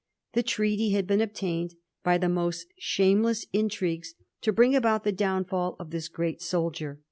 The treaty had been obtained by the most shameless intrigues to bring about the downfall of this great soldier.